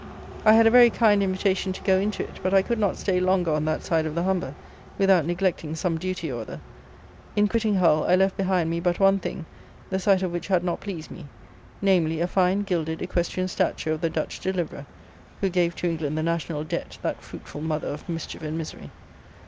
I had a very kind invitation to go into it; but I could not stay longer on that side of the Humber without neglecting some duty or other. In quitting Hull, I left behind me but one thing, the sight of which had not pleased me; namely, a fine gilded equestrian statue of the Dutch "Deliverer," who gave to England the national debt, that fruitful mother of mischief and misery.